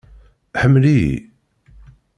Ḥemmel-iyi!